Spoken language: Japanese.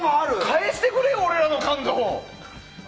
返してくれよ、俺らの感動！